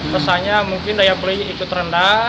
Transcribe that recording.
resahnya mungkin daya beli itu terendah